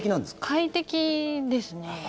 快適ですね。